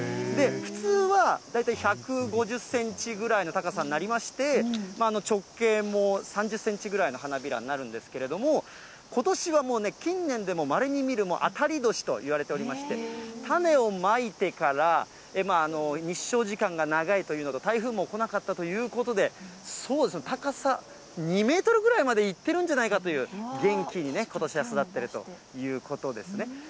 普通は大体１５０センチぐらいの高さになりまして、直径も３０センチぐらいの花びらになるんですけれども、ことしは近年でもまれに見る当たり年といわれてまして、種をまいてから日照時間が長いというのと、台風も来なかったということで、そうですね、高さ２メートルぐらいまでいってるんじゃないかという、元気にね、ことしは育ってるということですね。